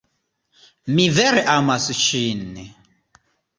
Mi vere amas ŝin.